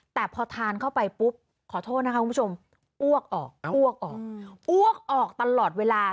แต่พอทานเข้าไปปุ๊บขอโทษนะคะคุณผู้ชมอ้วกออกอ้วกออกอ้วกออกตลอดเวลา